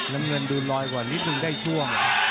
น้ำเงินดูลอยกว่านิดนึงได้ช่วง